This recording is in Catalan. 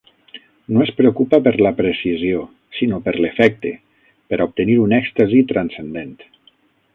No es preocupa per la precisió, sinó per l'efecte, per a obtenir un èxtasi transcendent.